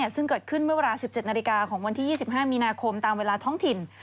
ซึ่งเกิดขึ้นเมื่อเวลา๑๗นาฬิกาของวันที่๒๕มีนาคมตามเวลาท้องถิ่น